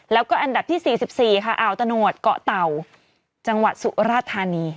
แล้วก็อันดับที่๔๔ค่ะอ่าวตะหนวดเกาะเต่าจังหวัดสุราธานี